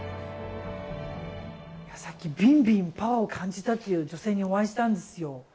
さっきビンビンパワーを感じたっていう女性にお会いしたんですよ。